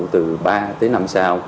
từ ba tới năm sao